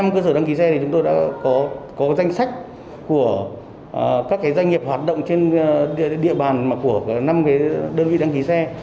chúng tôi đã có danh sách của các doanh nghiệp hoạt động trên địa bàn của năm đơn vị đăng ký xe